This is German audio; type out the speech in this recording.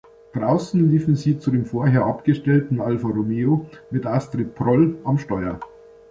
Draußen liefen sie zu dem vorher abgestellten Alfa Romeo mit Astrid Proll am Steuer.